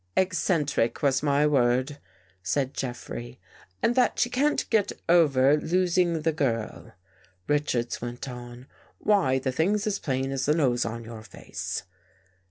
" Eccentric was my word," said Jeffrey. "And that she can't get over losing the girl?" Richards went on. " Why, the thing's as plain as the nose on your face."